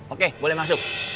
oke boleh masuk